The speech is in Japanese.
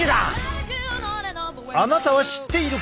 あなたは知っているか？